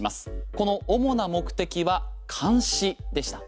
この主な目的は監視でした。